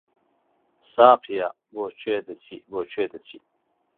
ساقییا! بۆ کوێ دەچی، بۆ کوێ دەچی؟